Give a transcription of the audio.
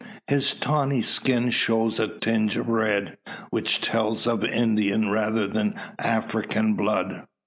His tawny skin shows a tinge of red, which tells of Indian, rather than African blood.